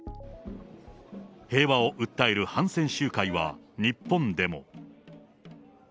平和を訴える反戦集会は、日本でも。